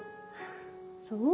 そう？